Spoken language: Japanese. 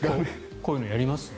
こういうのやります？